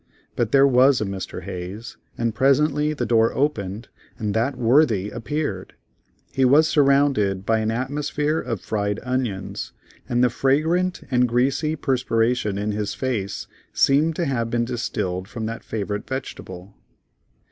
But there was a Mr. Hayes, and presently the door opened and that worthy appeared; he was surrounded by an atmosphere of fried onions, and the fragrant and greasy perspiration in his face seemed to have been distilled from that favorite vegetable.